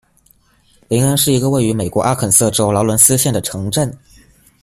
林恩是一个位于美国阿肯色州劳伦斯县的城镇。